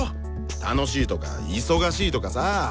楽しいとか忙しいとかさ。